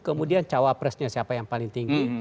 kemudian cawapresnya siapa yang paling tinggi